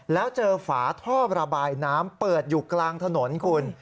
แล้วเจอฝาท่อระบายน้ำเปิดอยู่กลางถนนคุณ